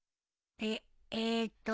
ええっと。